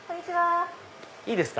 いいですか？